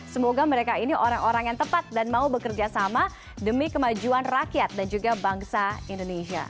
semoga mereka ini orang orang yang tepat dan mau bekerja sama demi kemajuan rakyat dan juga bangsa indonesia